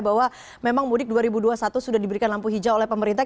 bahwa memang mudik dua ribu dua puluh satu sudah diberikan lampu hijau oleh pemerintah